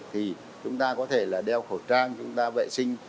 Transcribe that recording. thì chúng ta có thể là đeo khẩu trang chúng ta vệ sinh